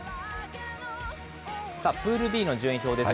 プールＤの順位表です。